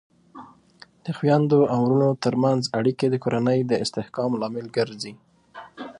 د خویندو او ورونو ترمنځ اړیکې د کورنۍ د استحکام لامل ګرځي.